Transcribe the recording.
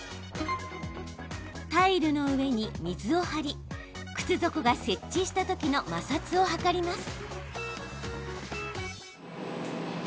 タイルの上に水を張り靴底が接地したときの摩擦を測ります。